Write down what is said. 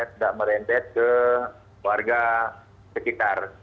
tidak merembet ke warga sekitar